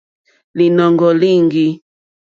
Lìnɔ̀ŋɡɔ̀ líŋɡî.